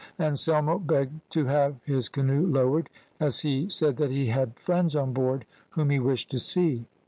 Anselmo begged to have his canoe lowered, as he said that he had friends on board whom he wished to see.